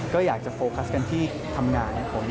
ก็อยากจะโฟกัสกันที่ทำงานครับผม